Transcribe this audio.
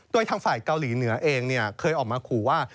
โดยทางฝ่ายเกาหลีเหนือเองเคยออกมาขู่ว่า